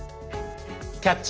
「キャッチ！